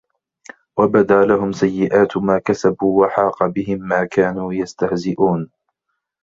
وَبَدا لَهُم سَيِّئَاتُ ما كَسَبوا وَحاقَ بِهِم ما كانوا بِهِ يَستَهزِئونَ